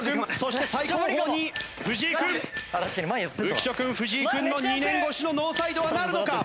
浮所君藤井君の２年越しのノーサイドはなるのか？